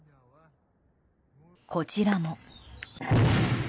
こちらも。